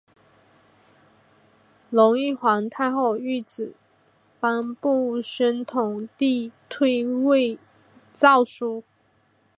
隆裕皇太后懿旨颁布宣统帝退位诏书。